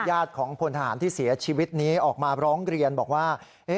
ญาติของพลทหารที่เสียชีวิตนี้ออกมาร้องเรียนบอกว่า